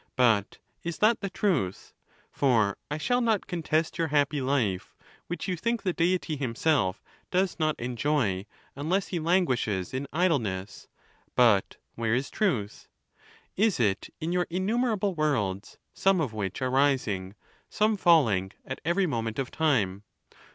But is that the truth ? for I shall not contest your happy life, which you think the Deity himself does not enjoy unless he languish es in idleness. But where is truth? Is it in your innu merable worlds, some of which are rising, some falling, at every moment of time